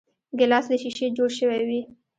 ګیلاس له شیشې جوړ شوی وي.